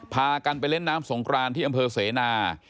พากันไปเล่นน้ำสงครานที่อำเภอเสนา